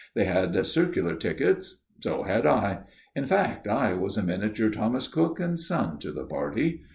They had circular tickets. So had I. In fact, I was a miniature Thomas Cook and Son to the party.